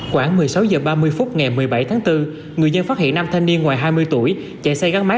khoảng một mươi sáu h ba mươi phút ngày một mươi bảy tháng bốn người dân phát hiện năm thanh niên ngoài hai mươi tuổi chạy xe gắn máy